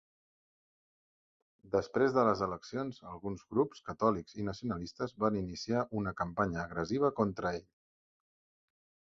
Després de les eleccions, alguns grups catòlics i nacionalistes van iniciar una campanya agressiva contra ell.